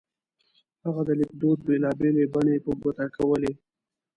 هغه د لیکدود بېلا بېلې بڼې په ګوته کولې.